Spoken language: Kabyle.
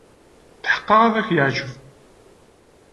Tḥeqqeɣ ad ak-yeɛjeb.